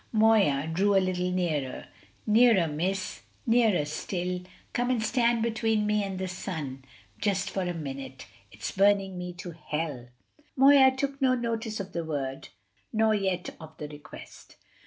Moya drew a little nearer. "Nearer, miss nearer still! Come and stand between me and the sun. Just for a minute! It's burning me to hell!" Moya took no notice of the word, nor yet of the request.